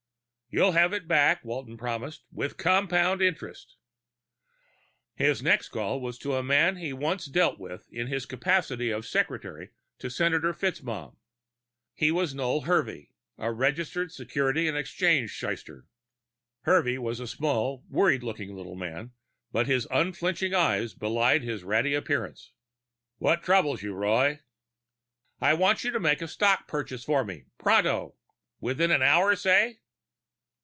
"You'll have it back," Walton promised. "With compound interest." His next call was to a man he had once dealt with in his capacity of secretary to Senator FitzMaugham. He was Noel Hervey, a registered securities and exchange slyster. Hervey was a small, worried looking little man, but his unflickering eyes belied his ratty appearance. "What troubles you, Roy?" "I want you to make a stock purchase for me, pronto. Within an hour, say?"